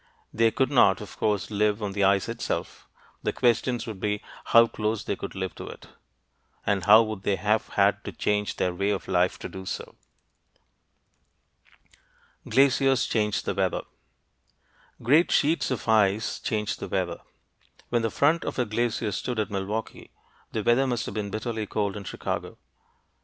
They could not, of course, live on the ice itself. The questions would be how close could they live to it, and how would they have had to change their way of life to do so. GLACIERS CHANGE THE WEATHER Great sheets of ice change the weather. When the front of a glacier stood at Milwaukee, the weather must have been bitterly cold in Chicago.